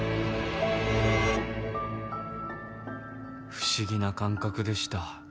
不思議な感覚でした。